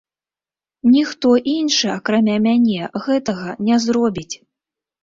Ніхто іншы акрамя мяне гэтага не зробіць.